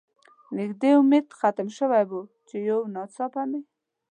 نږدې امید ختم شوی و، چې یو ناڅاپه مې.